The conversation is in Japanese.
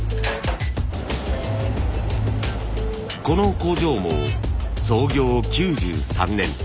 この工場も創業９３年。